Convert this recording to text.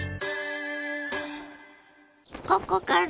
ここから？